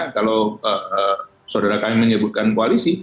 kalau saudara kami menyebutkan koalisi